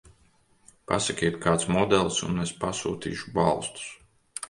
Pasakiet kāds modelis un es pasūtīšu balstus.